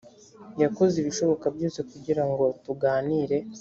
yakoze ibishoboka byose kugira ngo tuganire